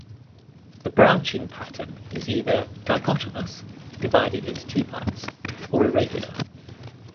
The branching pattern is either dichotomous (divided into two parts) or irregular.